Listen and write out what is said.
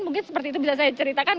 mungkin seperti itu bisa saya ceritakan